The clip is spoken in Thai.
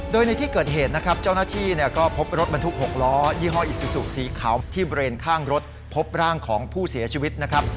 โดยในที่เกิดเหตุนะครับเจ้าหน้าที่ก็พบรถบรรทุก๖ล้อยี่ห้ออิซูซูสีขาวที่เบรนข้างรถพบร่างของผู้เสียชีวิตนะครับ